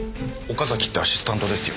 岡崎ってアシスタントですよ。